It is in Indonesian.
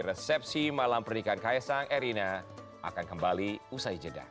resepsi malam pernikahan kaisang erina akan kembali usai jeda